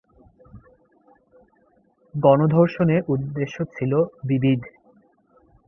গণধর্ষণের উদ্দেশ্য ছিল বিবিধ।